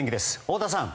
太田さん。